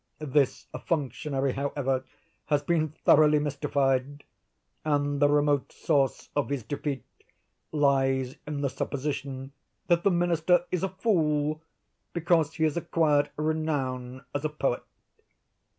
This functionary, however, has been thoroughly mystified; and the remote source of his defeat lies in the supposition that the Minister is a fool, because he has acquired renown as a poet.